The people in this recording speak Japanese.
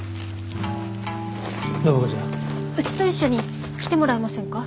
暢子ちゃん。うちと一緒に来てもらえませんか？